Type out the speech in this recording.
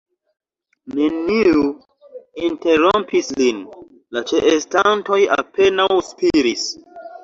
Neniu interrompis lin; la ĉeestantoj apenaŭ spiris.